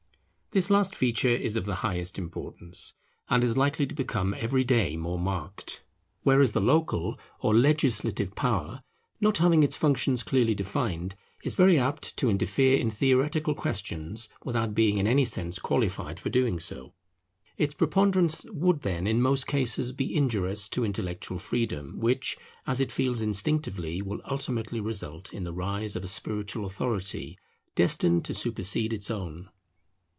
This last feature is of the highest importance, and is likely to become every day more marked. Whereas the local or legislative power, not having its functions clearly defined, is very apt to interfere in theoretical questions without being in any sense qualified for doing so. Its preponderance would, then, in most cases be injurious to intellectual freedom, which, as it feels instinctively, will ultimately result in the rise of a spiritual authority destined to supersede its own.